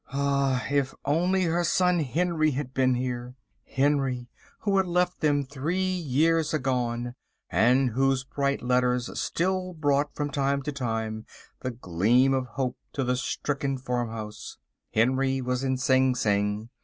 Ah, if only her son Henry had been here. Henry, who had left them three years agone, and whose bright letters still brought from time to time the gleam of hope to the stricken farmhouse. Henry was in Sing Sing.